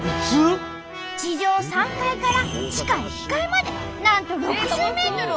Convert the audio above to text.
地上３階から地下１階までなんと６０ｍを急降下！